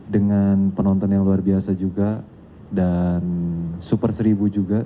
dengan penonton yang luar biasa juga dan super seribu juga